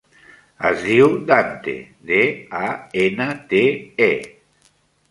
Es diu Dante: de, a, ena, te, e.